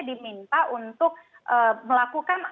diminta untuk melakukan